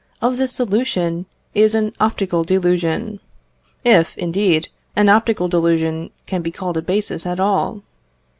of this solution, is an optical delusion if, indeed, an optical delusion can be called a basis at all.